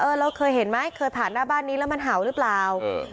เราเคยเห็นไหมเคยผ่านหน้าบ้านนี้แล้วมันเห่าหรือเปล่าเออ